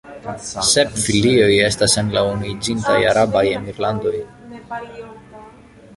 Sep filioj estas en al Unuiĝintaj Arabaj Emirlandoj.